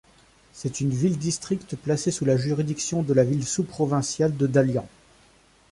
C'est une ville-district placée sous la juridiction de la ville sous-provinciale de Dalian.